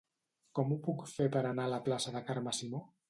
Com ho puc fer per anar a la plaça de Carme Simó?